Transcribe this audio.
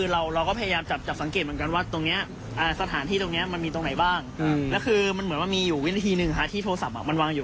เรารู้ละว่าโลเคชั่นลิงตัวนั้นชนทุกอย่าง